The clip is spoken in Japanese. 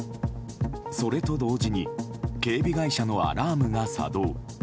それと同時に警備会社のアラームが作動。